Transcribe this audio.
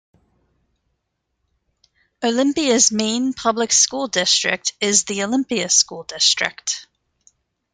Olympia's main public school district is the Olympia School District.